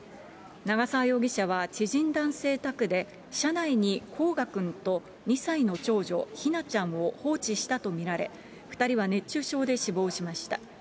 長沢容疑者は知人男性宅で車内にこうがくんと２歳の長女、ひなちゃんを報知したと見られ、２人は熱中症で死亡しました。